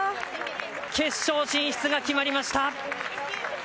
決勝進出が決まりました。